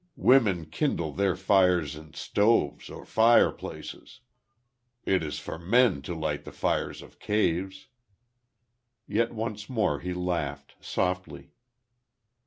Women kindle their fires in stoves or fireplaces. It is for men to light the fires of caves." Yet once more he laughed, softly.